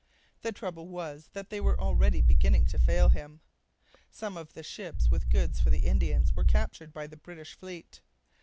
The trouble was that they were already beginning to fail him. Some of the ships with goods for the Indians were captured by the British fleet.